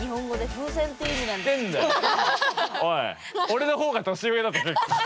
俺の方が年上だぞ結構。